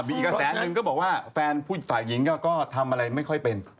มีอีกกระแสหนึ่งก็บอกว่าแฟนฝ่ายหญิงก็ทำอะไรไม่ค่อยเป็น